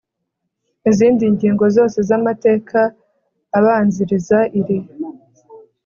izindi ngingo zose z amateka abanziriza iri